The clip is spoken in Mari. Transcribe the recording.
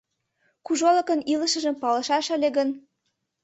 Кужолыкын илышыжым палышаш ыле гын